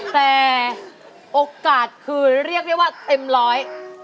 แต่โอกาสคือเรียกได้ว่าเต็มร้อย